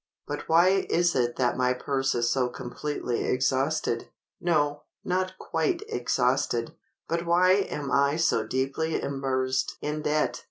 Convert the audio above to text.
But why is it that my purse is so completely exhausted—no, not quite exhausted; but why am I so deeply immersed in debt?